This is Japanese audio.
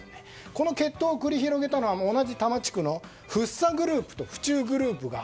この決闘を繰り広げたのは同じ多摩地区の福生グループと府中グループ。